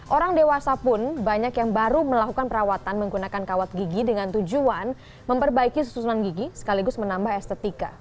orang dewasa pun banyak yang baru melakukan perawatan menggunakan kawat gigi dengan tujuan memperbaiki susunan gigi sekaligus menambah estetika